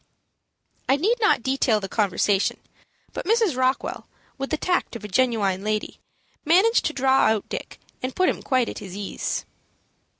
I need not detail the conversation; but Mrs. Rockwell, with the tact of a genuine lady, managed to draw out Dick, and put him quite at his ease.